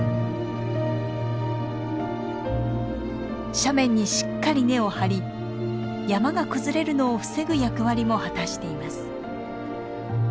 斜面にしっかり根を張り山が崩れるのを防ぐ役割も果たしています。